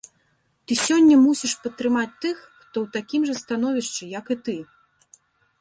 Ты сёння мусіш падтрымаць тых, хто ў такім жа становішчы, як і ты.